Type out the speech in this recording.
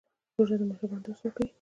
روژه د مهربانۍ درس ورکوي.